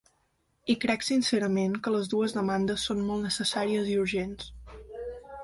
I crec sincerament que les dues demandes són molt necessàries i urgents.